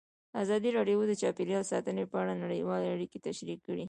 ازادي راډیو د چاپیریال ساتنه په اړه نړیوالې اړیکې تشریح کړي.